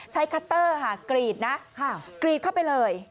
คัตเตอร์ค่ะกรีดนะกรีดเข้าไปเลย